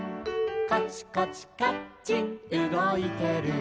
「コチコチカッチンうごいてる」